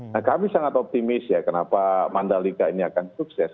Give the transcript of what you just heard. nah kami sangat optimis ya kenapa mandalika ini akan sukses